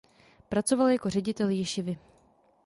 Pracoval jako ředitel ješivy.